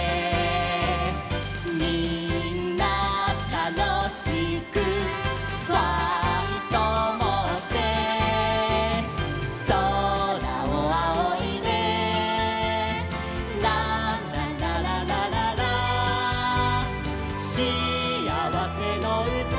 「みんなたのしくファイトをもって」「そらをあおいで」「ランララララララ」「しあわせのうた」